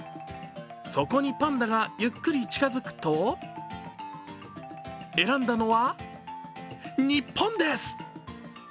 そこにパンダがゆっくり近づくと選んだのは日本です。